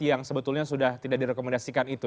yang sebetulnya sudah tidak direkomendasikan itu